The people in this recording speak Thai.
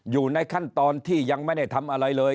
อยู่ในขั้นตอนที่ยังไม่ได้ทำอะไรเลย